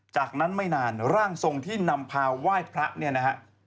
จากนั้นไม่นานร่างทรงที่นำพาไหว้พระเนี่ยนะฮะ